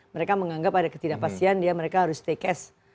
mereka menganggap ada ketidakpastian dia mereka harus take cash